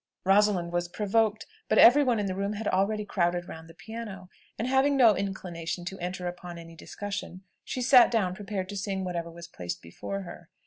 Rosalind was provoked; but every one in the room had already crowded round the piano, and having no inclination to enter upon any discussion, she sat down prepared to sing whatever was placed before her.